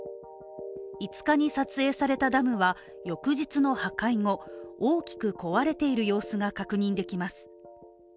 ５日に撮影されたダムは翌日の破壊後大きく壊れている様子が確認できます。